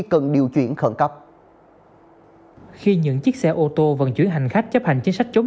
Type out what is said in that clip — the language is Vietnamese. cần điều chuyển khẩn cấp khi những chiếc xe ô tô vận chuyển hành khách chấp hành chính sách chống